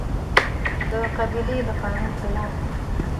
د قبيلې د قانون خلاف